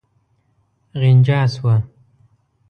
غنجا شوه.